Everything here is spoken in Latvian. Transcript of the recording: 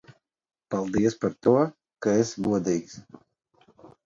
Paldies par to, ka esi godīgs.